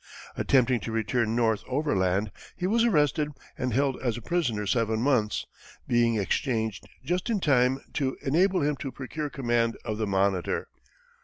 Attempting to return North overland, he was arrested and held as a prisoner seven months, being exchanged just in time to enable him to procure command of the Monitor.